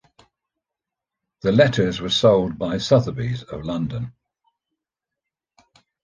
The letters were sold by Sotheby's of London.